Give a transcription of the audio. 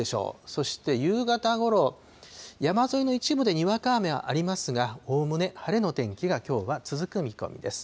そして、夕方ごろ、山沿いの一部でにわか雨はありますが、おおむね晴れの天気がきょうは続く見込みです。